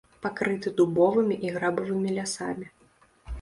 Пакрыты дубовымі і грабавымі лясамі.